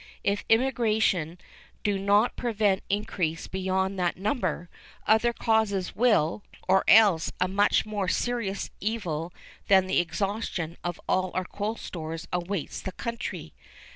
If emigration do not prevent increase beyond that number, other causes will, or else a much more serious evil than the exhaustion of all our coal stores awaits the country.